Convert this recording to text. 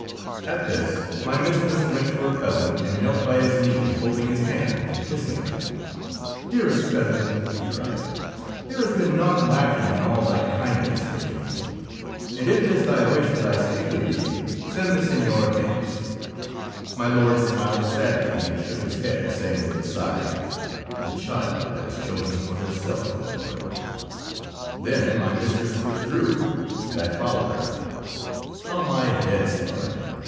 At this my mistress went to her cousin and knelt by his knee, holding his hand and kissing of it. Dearest Cousin," she cried, " there has been naught lacking in all thy kindness for me, and if it is thy wish that I stay with thee, send the Seigneur hence." My Lord smiled sadly and shook his head, saying with a sigh, — ^^The child has chosen for herself, my Lord." Then my mistress withdrew, and I followed her. How my head spun!